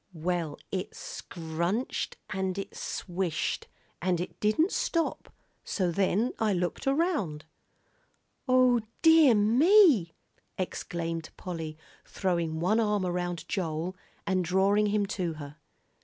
"Well, it scrunched an' it swished, and it didn't stop, so then I looked around." "O dear me!" exclaimed Polly, throwing one arm around Joel, and drawing him to her.